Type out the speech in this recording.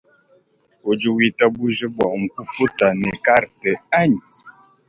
Udi witabuja bua nkufuta ne karte anyi ?